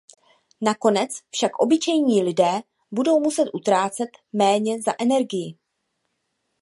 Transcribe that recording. Nakonec však obyčejní lidé budou muset utrácet méně za energii.